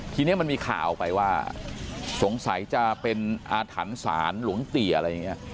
ทีนี้มันมีข่าวไปว่าสงสัยจะเป็นอาถรรพ์ศาลหลวงเตียอะไรอย่างนี้